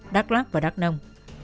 đắc lắc và đắc nông